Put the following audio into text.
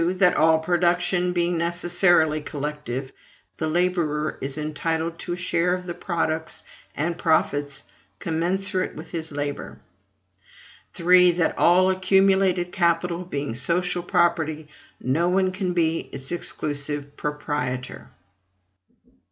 That all production being necessarily collective, the laborer is entitled to a share of the products and profits commensurate with his labor; 3. That all accumulated capital being social property, no one can be its exclusive proprietor.